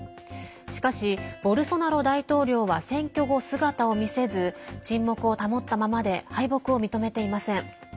しかし、ボルソナロ大統領は選挙後、姿を見せず沈黙を保ったままで敗北を認めていません。